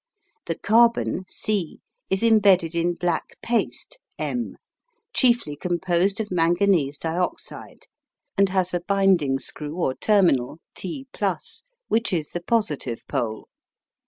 The carbon C is embedded in black paste M, chiefly composed of manganese dioxide, and has a binding screw or terminal T (+), which is the positive pole.